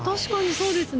そうですね。